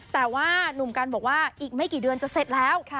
แต่ว่าหนุ่มกันบอกว่าอีกไม่กี่เดือนจะเสร็จแล้ว